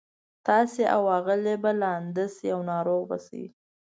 تاسي او آغلې به لانده شئ او ناروغه به شئ.